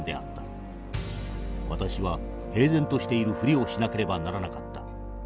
私は平然としているふりをしなければならなかった。